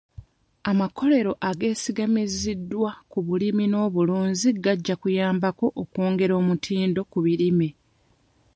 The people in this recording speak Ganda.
Amakolero ageesigamiziddwa ku bulimi n'obulunzi gajja kuyambako okwongera omutindo ku birime.